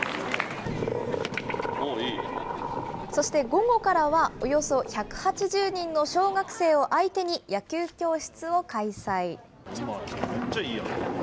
そして午後からは、およそ１８０人の小学生を相手に野球教室を開催。